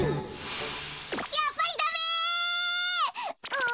やっぱりダメ！